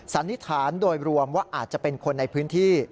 สันนิษฐานโดยรวมว่าอาจจะเป็นคนในพื้นที่